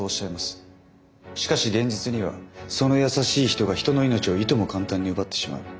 しかし現実にはその優しい人が人の命をいとも簡単に奪ってしまう。